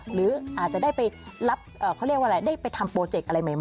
หรืออาจจะได้ไปทำโปรเจกต์อะไรใหม่